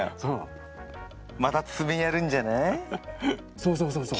そうそうそうそう。